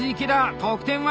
得点は？